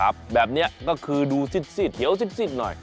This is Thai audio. แบบนี้ก็คือดูซิดเดี๋ยวซิดหน่อย